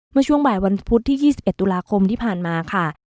เมื่อช่วงบ่ายวันพุธที่๒๑ตุลาคมที่ผ่านมาค่ะ